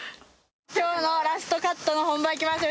今日のラストカットの本番いきます。